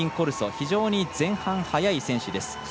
非常に前半、速い選手。